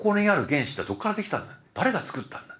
誰がつくったんだ？